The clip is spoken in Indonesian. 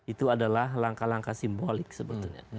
itu adalah langkah langkah simbolik sebetulnya